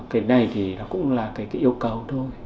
cái này cũng là yêu cầu thôi